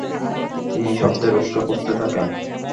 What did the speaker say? তিনি শব্দের উৎস খুঁজতে থাকেন।